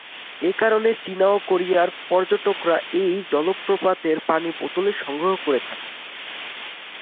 একারণে চীনা ও কোরিয়ার পর্যটকরা এই জলপ্রপাতের পানি বোতলে সংগ্রহ করে থাকেন।